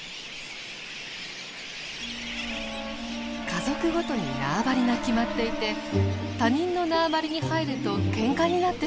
家族ごとに縄張りが決まっていて他人の縄張りに入るとけんかになってしまいます。